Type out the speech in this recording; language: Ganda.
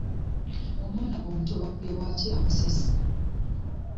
Omwana omuto baakubye waaki amasasi.